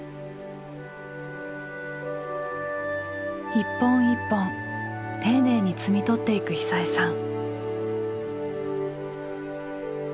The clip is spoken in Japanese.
一本一本丁寧に摘み取っていく久枝さん。